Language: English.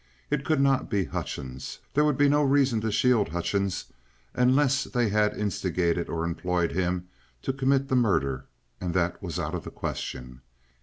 It could not be Hutchings. There would be no reason to shield Hutchings unless they had instigated or employed him to commit the murder, and that was out of the question.